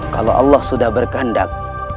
kalau allah sudah berkehandak